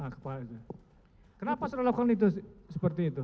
kenapa sudah lokalnya seperti itu